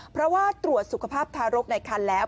เพราะว่าตรวจสุขภาพทารกในคันแล้ว